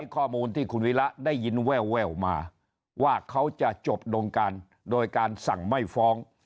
ข้อมูลที่คุณวิระได้ยินแววมาว่าเขาจะจบดงการโดยการสั่งไม่ฟ้อง